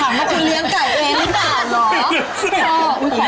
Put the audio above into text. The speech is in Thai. พี่จะถามว่าคุณเลี้ยงไก่เองหรือเปล่า